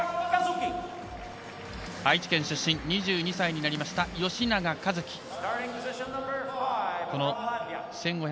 愛知県出身２２歳になりました、吉永一貴。